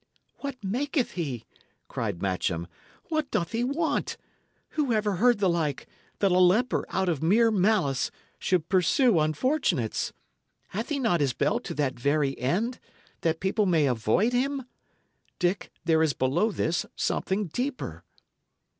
"What maketh he?" cried Matcham. "What doth he want? Who ever heard the like, that a leper, out of mere malice, should pursue unfortunates? Hath he not his bell to that very end, that people may avoid him? Dick, there is below this something deeper."